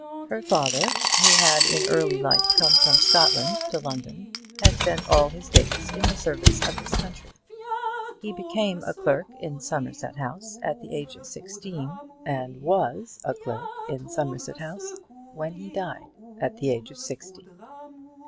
Her father, who had in early life come from Scotland to London, had spent all his days in the service of his country. He became a clerk in Somerset House at the age of sixteen, and was a clerk in Somerset House when he died at the age of sixty.